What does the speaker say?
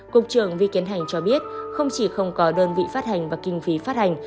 cục trưởng vi kiến hành cho biết không chỉ không có đơn vị phát hành và kinh phí phát hành